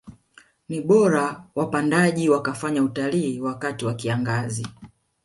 Ni bora wapandaji wakafanya utalii wakati wa kiangazi